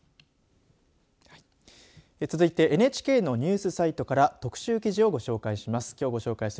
続いてＮＨＫのニュースサイトから特集記事をご紹介します。